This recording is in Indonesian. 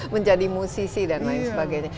menjadi musisi dan lain sebagainya